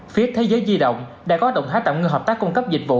phía thế giới di động đã có động thái tạm ngưng hợp tác cung cấp dịch vụ